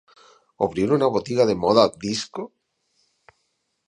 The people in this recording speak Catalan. Obrir una botiga de moda disco?